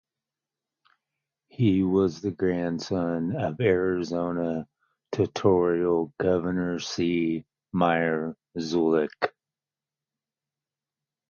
He was the grandson of Arizona Territorial Governor C. Meyer Zulick.